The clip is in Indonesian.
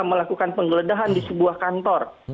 melakukan penggeledahan di sebuah kantor